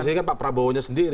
tapi disini pak prabowo sendiri